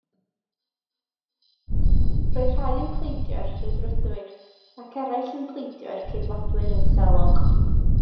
Roedd rhai yn pleidio'r Rhyddfrydwr ac eraill yn pleidio'r Ceidwadwr yn selog.